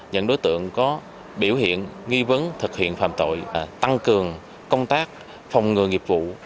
những đối tượng có biểu hiện nghi vấn thực hiện phạm tội tăng cường công tác phòng ngừa nghiệp vụ